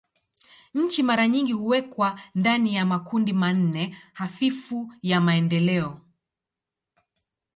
Nchi mara nyingi huwekwa ndani ya makundi manne hafifu ya maendeleo.